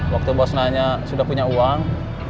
waktu bos nanya sudah punya uang